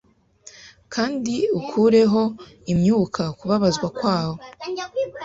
Kandi ukureho imyuka kubabazwa kwabo